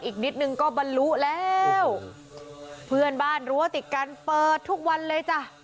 อีกนิดนึงก็บรรลุแล้วเพื่อนบ้านรั้วติดกันเปิดทุกวันเลยจ้ะ